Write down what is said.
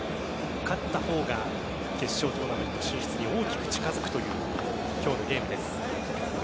勝ったほうが決勝トーナメント進出に大きく近づくという今日のゲーム。